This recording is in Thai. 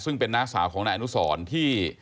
ซึ่งเป็นน้าสาวของนายอนุสรที่